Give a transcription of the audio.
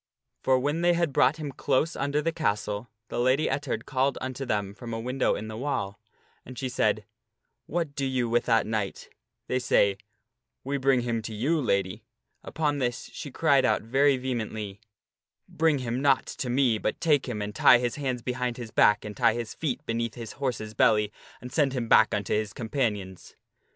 For when they had brought him close under the castle, the Lady Ettard called unto them from a window in the wall. And she said, "What do you with that knight?" They say, " We bring him to you, Lady." Upon this she cried out very vehemently, " Bring him not to me, but take him and tie his hands behind his back and tie his feet beneath his horse's belly, and send him back unto his companions."